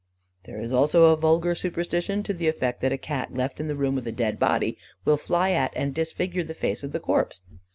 There is also a vulgar superstition to the effect that a Cat left in the room with a dead body will fly at and disfigure the face of the corpse.